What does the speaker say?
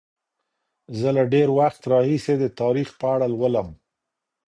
زه له ډیر وخت راهیسې د تاریخ په اړه لولم.